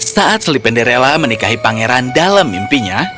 saat slipenderella menikahi pangeran dalam mimpinya